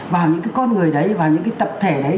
vào những cái con người đấy vào những cái tập thể đấy